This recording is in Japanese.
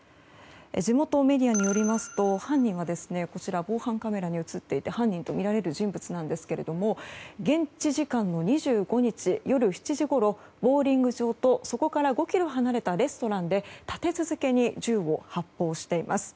地元メディアによりますと防犯カメラに映っている犯人とみられる人物なんですけれども現地時間の２５日夜７時ごろ、ボウリング場とそこから５ｋｍ離れたレストランで立て続けに銃を発砲しています。